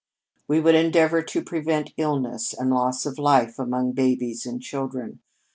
"We would endeavor to prevent illness and loss of life among babies and children.